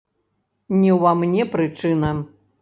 Не ўва мне прычына.